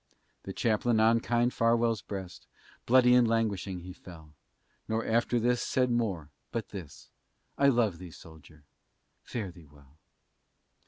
The Chaplain on kind Farwell's breast, Bloody and languishing he fell; Nor after this said more, but this, "I love thee, soldier, fare thee well."